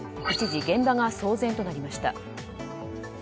一時、現場が騒然となりました。